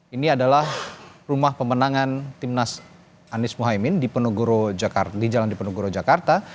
ini adalah rumah pemenangan timnas anies muhaymin di penuguro jakarta